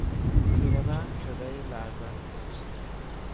پیر مرد صدای لرزانی داشت.